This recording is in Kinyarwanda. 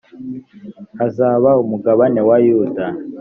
hazaba umugabane wa yuda